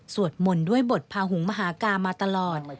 มนต์ด้วยบทพาหุงมหากามาตลอด